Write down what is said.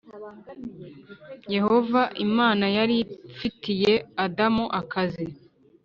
yehova imana yari afitiye adamu akazi.